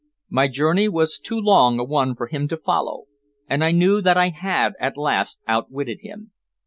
My journey was too long a one for him to follow, and I knew that I had at last outwitted him.